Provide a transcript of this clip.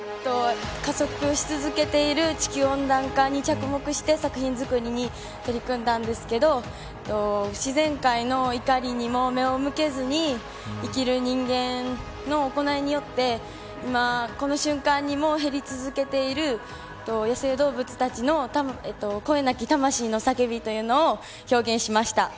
加速し続けている地球温暖化に着目して作品作りに取り組んだんですが自然界の怒りにも目を向けずに生きる人間の行いによってこの瞬間にも減り続けている野生動物たちの声なき魂の叫びというのを表現しました。